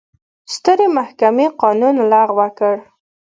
سترې محکمې قانون لغوه کړ.